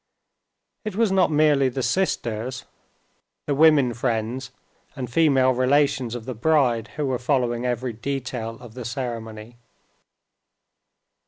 It was not merely the sisters, the women friends and female relations of the bride who were following every detail of the ceremony.